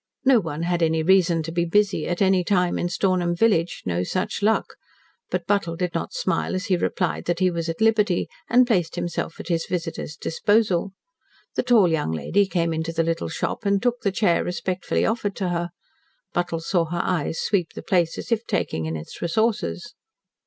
No one had any reason to be "busy" at any time in Stornham village, no such luck; but Buttle did not smile as he replied that he was at liberty and placed himself at his visitor's disposal. The tall young lady came into the little shop, and took the chair respectfully offered to her. Buttle saw her eyes sweep the place as if taking in its resources.